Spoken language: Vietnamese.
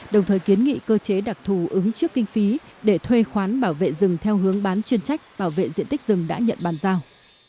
đồng thời kiến nghị cơ chế đặc thù ứng trước kinh phí để thuê khoán bảo vệ rừng theo hướng bán chuyên trách bảo vệ diện tích rừng đã nhận bàn giao